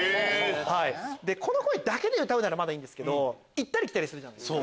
でこの声だけで歌うならまだいいんですけど行ったり来たりする。